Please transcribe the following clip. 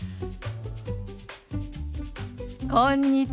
こんにちは。